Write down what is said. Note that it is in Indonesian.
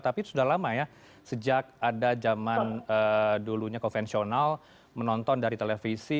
tapi sudah lama ya sejak ada zaman dulunya konvensional menonton dari televisi